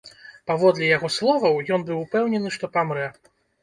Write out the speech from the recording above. Паводле яго словаў, ён быў упэўнены, што памрэ.